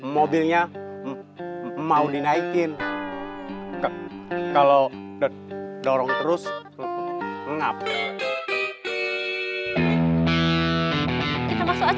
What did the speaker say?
mobilnya mau dinaikin kalau dorong terus ngapain